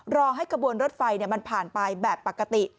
รอให้กระบวนรถไฟมันผ่านไปแบบปกติ